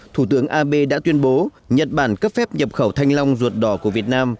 thủ tướng abe đã tuyên bố nhật bản cấp phép nhập khẩu thanh long ruột đỏ của việt nam